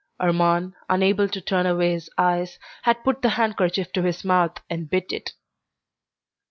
Armand, unable to turn away his eyes, had put the handkerchief to his mouth and bit it.